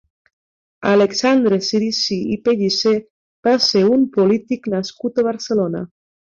Alexandre Cirici i Pellicer va ser un polític nascut a Barcelona.